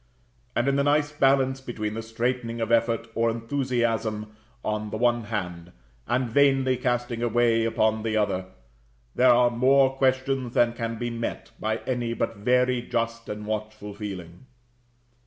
And in the nice balance between the straitening of effort or enthusiasm on the one hand, and vainly casting it away upon the other, there are more questions than can be met by any but very just and watchful feeling.